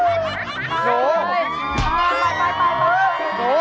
เสียใจกันเวลหา